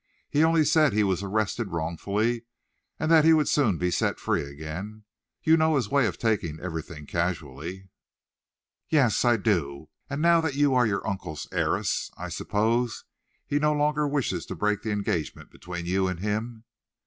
He only said he was arrested wrongfully, and that he would soon be set free again. You know his way of taking everything casually." "Yes, I do. And now that you are your uncle's heiress, I suppose he no longer wishes to break the engagement between you and him."